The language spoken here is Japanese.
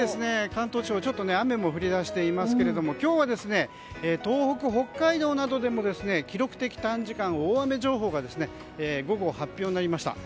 関東地方雨も降りだしていますが今日は東北、北海道などでも記録的短時間大雨情報が午後、発表になりました。